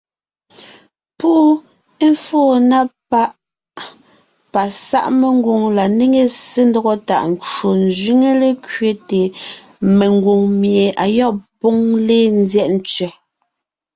Púʼu éfóo na páʼ pasáʼ mengwòŋ la néŋe ssé ńdɔgɔ tàʼ ncwò ńzẅíŋe lékẅéte mengwòŋ mie ayɔ́b póŋ léen ńzyɛ́ʼ ntsẅɛ́.